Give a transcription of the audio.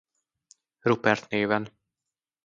Rupert néven.